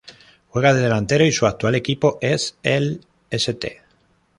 Juega de delantero y su actual equipo es el St.